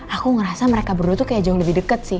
aku ngerasa mereka berdua tuh kayak jauh lebih deket sih